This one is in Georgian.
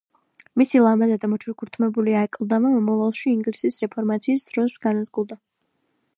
მისი ლამაზად მოჩუქურთმებული აკლდამა, მომავალში ინგლისის რეფორმაციის დროს განადგურდა.